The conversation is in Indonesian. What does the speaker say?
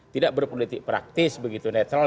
tidak berpolitik praktis natural